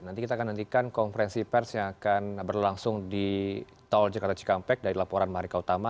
nanti kita akan nantikan konferensi pers yang akan berlangsung di tol jakarta cikampek dari laporan marika utama